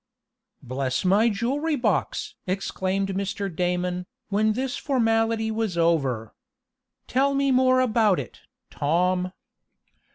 "Bless my jewelry box!" exclaimed Mr. Damon, when this formality was over. "Tell me more about it, Tom."